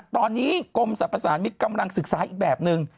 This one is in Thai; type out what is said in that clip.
ตอนนี้กรมสรรพสารมิตรกำลังศึกษาอีกแบบนึง